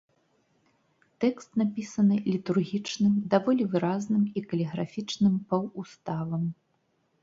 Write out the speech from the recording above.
Тэкст напісаны літургічным, даволі выразным і каліграфічным паўуставам.